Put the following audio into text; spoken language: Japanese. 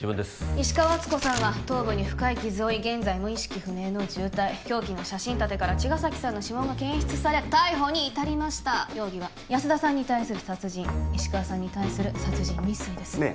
石川敦子さんは頭部に深い傷を負い現在も意識不明の重体凶器の写真立てから茅ヶ崎さんの指紋が検出され逮捕に至りました容疑は安田さんに対する殺人石川さんに対する殺人未遂ですねえ